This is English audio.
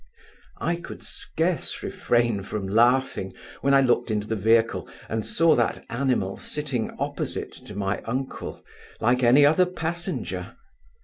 I could scarce refrain from laughing when I looked into the vehicle, and saw that animal sitting opposite to my uncle, like any other passenger.